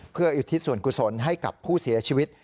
เพื่ออุทิศส่วนกุศลให้กับผู้เสียชีวิต